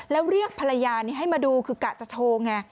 แล้วเรียกภรรยานี้ให้มาดูคือกะจะโชว์ไง